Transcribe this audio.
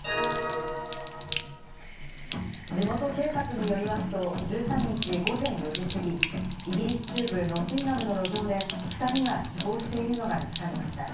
地元警察によりますと、１３日午前４時過ぎ、イギリス中部ノッティンガムの路上で２人が死亡しているのが見つかりました。